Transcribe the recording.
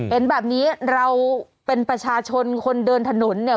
เห็นแบบนี้เราเป็นประชาชนคนเดินถนนเนี่ย